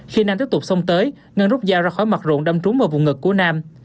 khi nam tiếp tục xông tới ngân rút dao ra khỏi mặt ruộng đâm trúng vào vùng ngực của nam